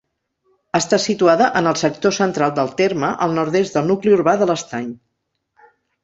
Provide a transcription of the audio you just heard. Està situada en el sector central del terme, al nord-est del nucli urbà de l'Estany.